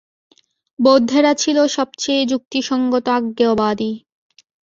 বৌদ্ধেরা ছিল সবচেয়ে যুক্তিসঙ্গত অজ্ঞেয়বাদী।